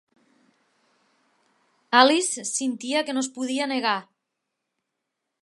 Alice sentia que no es podia negar.